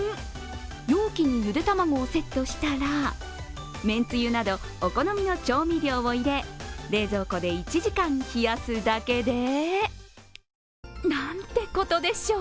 容器にゆで卵をセットしたらめんつゆなどお好みの調味料を入れ冷蔵庫で１時間冷やすだけでなんてことでしょう